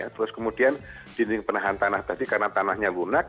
terus kemudian dinding penahan tanah tadi karena tanahnya lunak